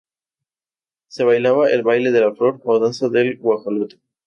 Se bailaba "El baile de la flor" o danza del Guajolote.